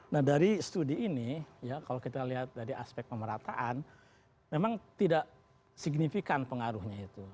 nah dari studi ini ya kalau kita lihat dari aspek pemerataan memang tidak signifikan pengaruhnya itu